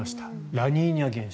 ラニーニャ現象。